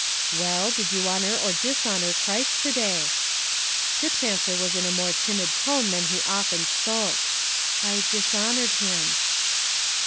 "Well, did you honour or dishonour Christ to day?" Tip's answer was in a more timid tone than he often spoke: "I dishonoured Him."